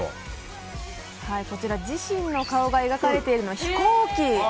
自身の顔が描かれているのは飛行機。